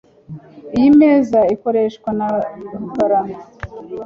Iyi meza ikoreshwa na rukara .